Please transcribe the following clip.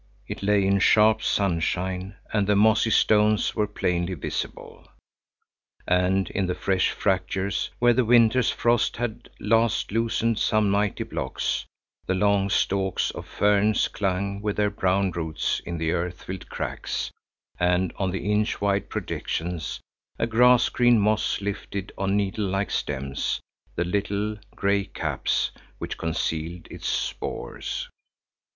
It lay in sharp sunshine, and the mossy stones were plainly visible, and in the fresh fractures, where the winter's frost had last loosened some mighty blocks, the long stalks of ferns clung with their brown roots in the earth filled cracks, and on the inch wide projections a grass green moss lifted on needle like stems the little, grey caps, which concealed its spores.